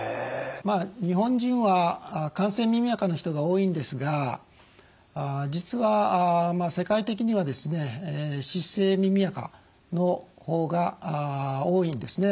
まあ日本人は乾性耳あかの人が多いんですが実は世界的には湿性耳あかの方が多いんですね